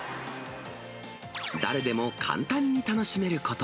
誰でも簡単に楽しめること。